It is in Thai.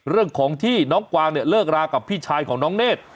เรื่องของที่น้องกวางเนี่ยเลิกรากับพี่ชายของน้องเนธ